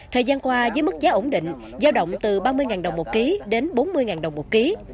thời gian qua với mức giá ổn định giao động từ ba mươi đồng một ký đến bốn mươi đồng một ký